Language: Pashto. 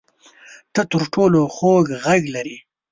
ته تر ټولو خوږ غږ لرې